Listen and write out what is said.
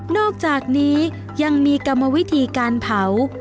อกจากนี้ยังมีกรรมวิธีการเผา